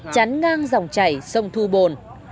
chắn ngang dòng chảy sông thu bồn